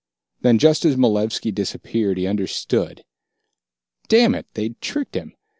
Then, just as Malevski disappeared, he understood. Damn it, they'd tricked him!